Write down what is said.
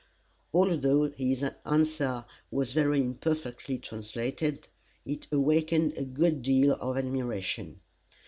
Although this answer was very imperfectly translated, it awakened a good deal of admiration.